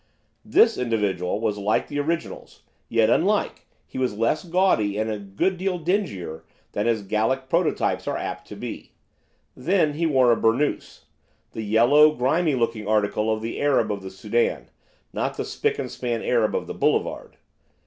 This individual was like the originals, yet unlike, he was less gaudy, and a good deal dingier, than his Gallic prototypes are apt to be. Then he wore a burnoose, the yellow, grimy looking article of the Arab of the Soudan, not the spick and span Arab of the boulevard.